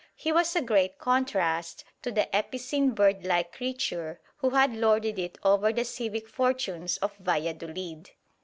He was a great contrast to the epicene bird like creature who had lorded it over the civic fortunes of Valladolid.